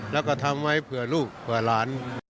แล้วก็ทำไว้เผื่อลูกเผื่อหลาน